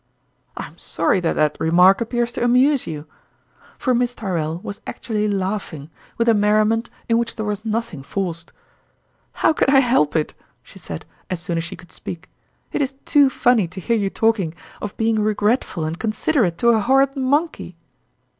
... I am sorry that that remark appears to amuse you !" For Miss Tyrrell was actually laughing, with a merriment in which there was nothing forced. " How can I help it 3 " she said, as soon as she could speak. " It is too funny to hear you talking of being regretful and considerate to a horrid monkey